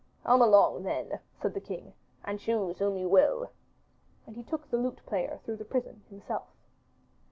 'Come along then,' said the king, 'choose whom you will.' And he took the lute player through the prison himself.